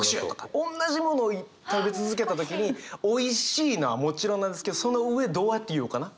おんなじものを食べ続けた時においしいのはもちろんなんですけどその上どうやって言おうかな？